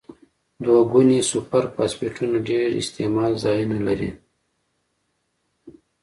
دوه ګونې سوپر فاسفیټونه ډیر استعمال ځایونه لري.